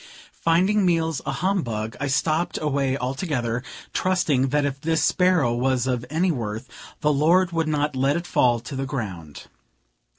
Finding meals a humbug, I stopped away altogether, trusting that if this sparrow was of any worth, the Lord would not let it fall to the ground.